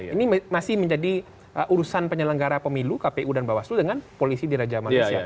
ini masih menjadi urusan penyelenggara pemilu kpu dan bawaslu dengan polisi di raja malaysia